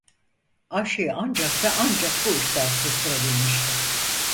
Ayşe'yi, ancak ve ancak bu ihtar susturabilmişti.